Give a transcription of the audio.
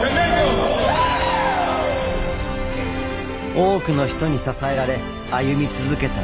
多くの人に支えられ歩み続けた道。